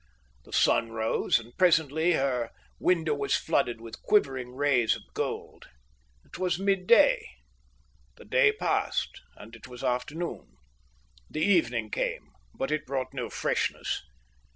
The sun rose, and presently her window was flooded with quivering rays of gold. It was midday. The day passed, and it was afternoon. The evening came, but it brought no freshness.